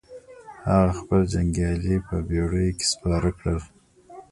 هغه خپل جنګيالي په بېړيو کې سپاره کړل.